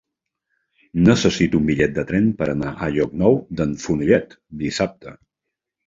Necessito un bitllet de tren per anar a Llocnou d'en Fenollet dissabte.